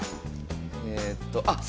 えっとあっ！